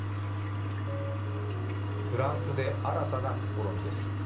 フランスで新たな試みです。